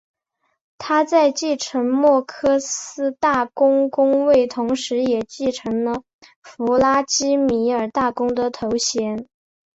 他在继承莫斯科大公公位同时也继承了弗拉基米尔大公的头衔。